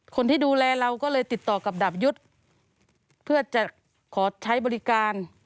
คนที่ดูแลเราก็เลยติดต่อกับดาบยุทธ์เพื่อจะขอใช้บริการ